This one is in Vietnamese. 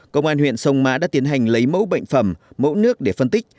công an huyện sông mã đã tiến hành lấy mẫu bệnh phẩm mẫu nước để phân tích